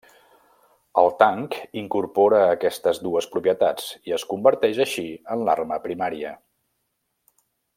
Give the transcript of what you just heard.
El tanc incorpora aquestes dues propietats i es converteix així en l'arma primària.